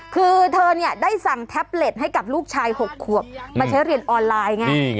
คือเธอเนี่ยได้สั่งแท็บเล็ตให้กับลูกชาย๖ขวบมาใช้เรียนออนไลน์ไง